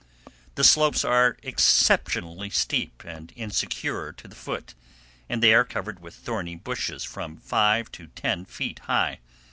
The slopes are exceptionally steep and insecure to the foot, and they are covered with thorny bushes from five to ten feet high.